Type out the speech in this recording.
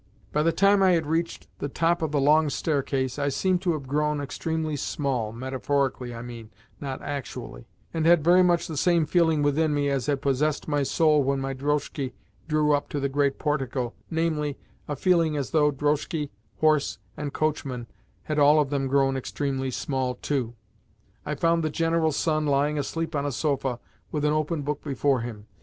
By the time I had reached the top of the long staircase, I seemed to have grown extremely small (metaphorically, I mean, not actually), and had very much the same feeling within me as had possessed my soul when my drozhki drew up to the great portico, namely, a feeling as though drozhki, horse, and coachman had all of them grown extremely small too. I found the General's son lying asleep on a sofa, with an open book before him.